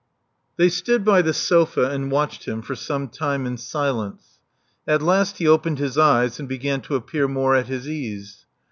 They stood by the sofa and watched him for some time in silence. At last he opened his eyes, and began to appear more at his ease.